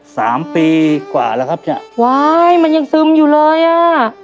สามปีกว่าแล้วครับเนี้ยว้ายมันยังซึมอยู่เลยอ่ะ